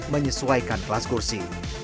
menyesuaikan kelas kursi